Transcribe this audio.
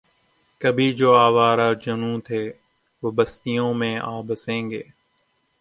کبھی جو آوارۂ جنوں تھے وہ بستیوں میں آ بسیں گے